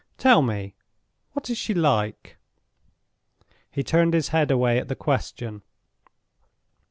Tell me; what is she like?" He turned his head away at the question.